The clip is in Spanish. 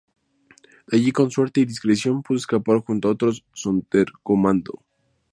De allí, con suerte y discreción pudo escapar junto a otros "sonderkommando".